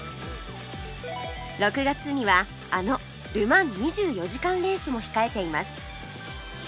６月にはあのル・マン２４時間レースも控えています